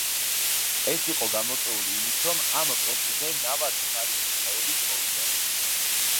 ეს იყო გამოწვეული იმით, რომ ამ პოსტზე ნავაზ შარიფის წყალობით მოვიდა.